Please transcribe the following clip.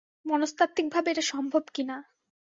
মনস্তাত্ত্বিকভাবে এটা সম্ভব কিনা।